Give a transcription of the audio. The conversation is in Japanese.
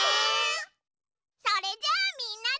それじゃあみんなで。